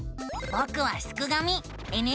ぼくはすくがミ。